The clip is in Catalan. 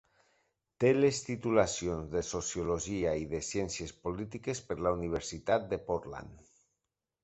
Té les titulacions de sociologia i de ciències polítiques per la Universitat de Portland.